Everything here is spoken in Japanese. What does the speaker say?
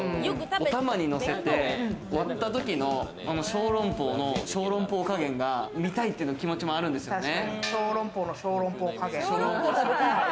お玉にのせて割った時の、小籠包の小籠包加減が見たいっていう気持ちもあるんですよね。